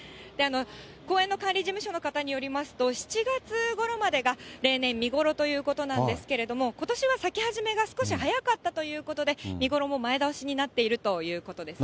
公園の管理事務所の方によりますと、７月ごろまでが例年見頃ということなんですけれども、ことしは咲き始めが少し早かったということで、見頃も前倒しになっているということですね。